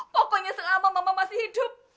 pokoknya selama mama masih hidup